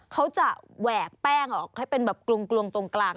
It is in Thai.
เขาจะแหวกแป้งออกให้เป็นแบบกลวงตรงกลาง